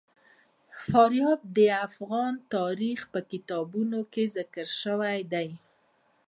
فاریاب د افغان تاریخ په کتابونو کې ذکر شوی دي.